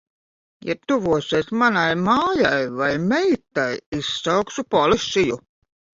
Ja tuvosies manai mājai vai meitai, izsaukšu policiju.